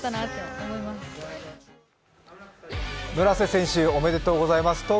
村瀬選手、おめでとうございます。